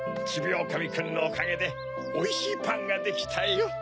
ちびおおかみくんのおかげでおいしいパンができたよ。